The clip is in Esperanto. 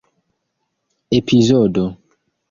epizodo